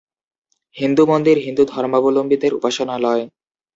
হিন্দু মন্দির হিন্দু ধর্মাবলম্বীদের উপাসনালয়।